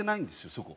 そこ。